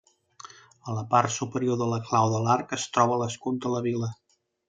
A la part superior de la clau de l'arc es troba l'escut de la vila.